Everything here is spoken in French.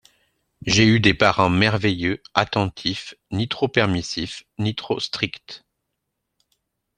J’ai eu des parents merveilleux, attentifs, ni trop permissifs, ni trop stricts.